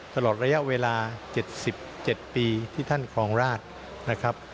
ตลอดระยะเวลา๗๗ปีที่ท่านครองราชนะครับ